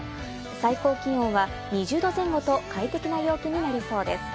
最高気温は２０度前後と快適な陽気になりそうです。